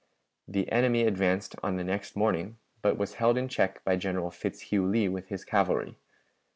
The enemy advanced on the next morning, but was held in check by General Fitzhugh Lee with his cavalry.